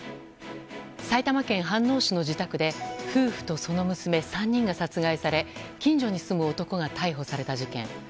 埼玉県飯能市の自宅で夫婦とその娘３人が殺害され近所に住む男が逮捕された事件。